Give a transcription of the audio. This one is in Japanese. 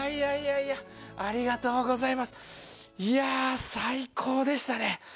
いやぁ最高でしたね。